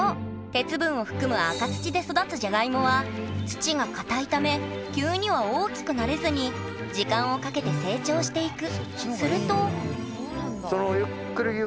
鉄分を含む赤土で育つジャガイモは土がかたいため急には大きくなれずに時間をかけて成長していく。